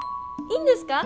いいんですか？